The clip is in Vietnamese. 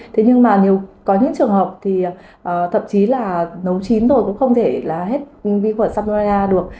thế nhưng mà có những trường hợp thì thậm chí là nấu chín thôi cũng không thể là hết viên khuẩn salmonella được